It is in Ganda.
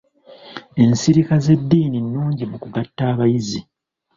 Ensirika z'edddiini nungi mu kugatta abayizi.